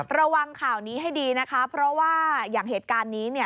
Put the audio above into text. ระวังข่าวนี้ให้ดีนะคะเพราะว่าอย่างเหตุการณ์นี้เนี่ย